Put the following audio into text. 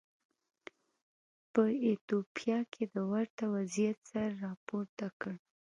په ایتوپیا کې د ورته وضعیت سر راپورته کړ.